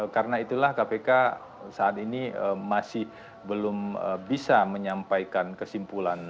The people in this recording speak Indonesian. karena itulah kpk saat ini masih belum bisa menyampaikan kesimpulan